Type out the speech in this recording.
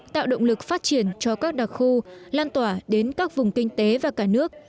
tạo động lực phát triển cho các đặc khu lan tỏa đến các vùng kinh tế và cả nước